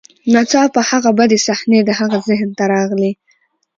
ناڅاپه هغه بدې صحنې د هغه ذهن ته راغلې